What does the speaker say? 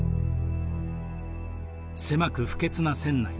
狭く不潔な船内。